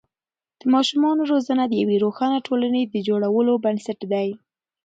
د ماشومانو روزنه د یوې روښانه ټولنې د جوړولو بنسټ دی.